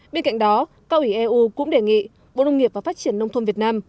bên cạnh đó cao ủy eu cũng đề nghị bộ nông nghiệp và phát triển nông thôn việt nam